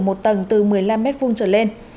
một tầng từ một mươi năm m hai trở lên